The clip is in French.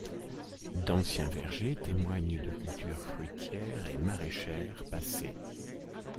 D'anciens vergers témoignent de cultures fruitières et maraîchères passées.